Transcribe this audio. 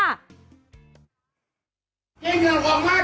เก็บเข้ามาก